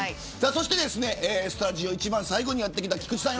そしてスタジオ、一番最後にやってきた菊地さん